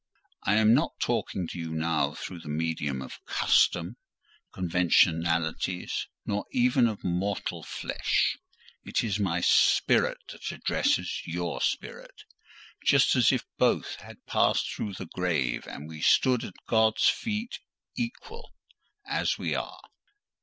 I am not talking to you now through the medium of custom, conventionalities, nor even of mortal flesh;—it is my spirit that addresses your spirit; just as if both had passed through the grave, and we stood at God's feet, equal,—as we are!"